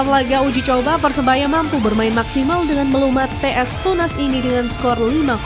sementara dalam laga uji coba persebaya mampu bermain maksimal dengan melumat ps tunas inti dengan skor lima